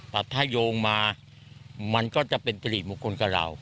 แต่ถ้าโยงมามันก็จะเป็นสิริมงคลกับเรา